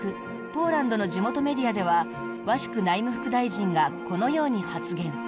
ポーランドの地元メディアではワシク内務副大臣がこのように発言。